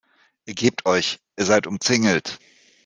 Ergebt euch, ihr seid umzingelt!